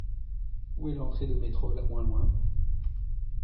Où est l'entrée de métro la moins loin?